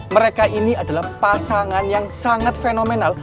mereka ini adalah pasangan yang sangat fenomenal